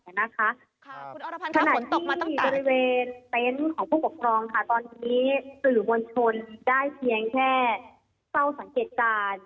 ขนาดนี้อยู่ในบริเวณเตนซ์ของผู้กับครองค่ะตอนนี้หรือมนชนได้เพียงแน่นแค่เป้าสังเกตการ